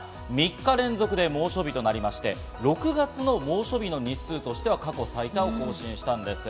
３日連続で猛暑日となりまして、６月の猛暑日の日数としては過去最多を更新したんです。